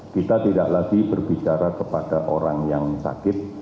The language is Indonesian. kita tidak lagi berbicara kepada orang yang sakit